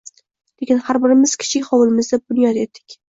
Lekin har birimiz kichik hovlimizda bunyod etdik